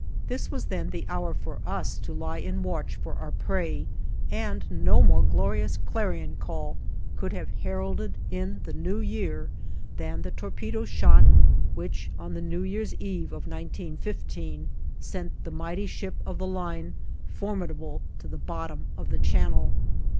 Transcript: This was then the hour for us to lie in watch for our prey, and no more glorious clarion call could have heralded in the New Year than the torpedo shot, which, on the New Year's Eve of 1915, sent the mighty ship of the line "Formidable" to the bottom of the Channel.